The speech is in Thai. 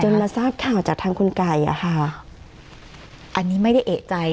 มาทราบข่าวจากทางคุณไก่อะค่ะอันนี้ไม่ได้เอกใจ